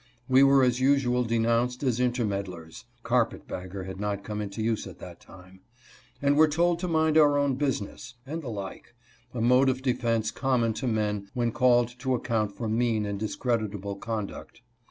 We were as usual denounced as intermeddlers (carpet bagger had not come into use at that time), and were told to mind our own business, and the like, a mode of defense common to men when called to account for mean and discreditable conduct.